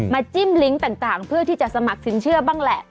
จิ้มลิงก์ต่างเพื่อที่จะสมัครสินเชื่อบ้างแหละ